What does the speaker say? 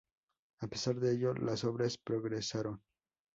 A pesar de ello, las obras progresaron.